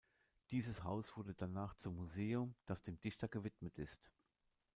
Dieses Haus wurde danach zum Museum, das dem Dichter gewidmet ist.